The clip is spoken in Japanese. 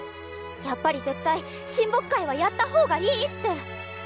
やっぱり絶対親睦会はやった方がいいって。